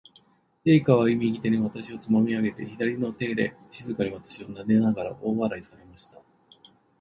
陛下は、右手に私をつまみ上げて、左の手で静かに私をなでながら、大笑いされました。